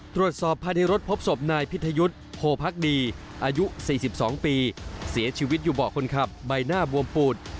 ตรวจสอบภายในรถพบศพนายพิทยุทธ์โพพักดีอายุ๔๒ปีเสียชีวิตอยู่เบาะคนขับใบหน้าบวมปูด